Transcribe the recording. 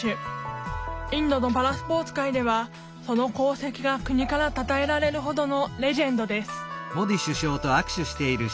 インドのパラスポーツ界ではその功績が国からたたえられるほどのレジェンドです